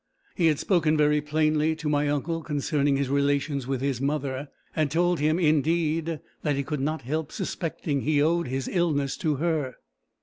He had spoken very plainly to my uncle concerning his relations with his mother had told him indeed that he could not help suspecting he owed his illness to her.